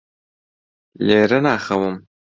لێرە ناخەوم.